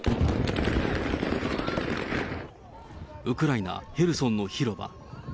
ウクライナ・ヘルソンの広場。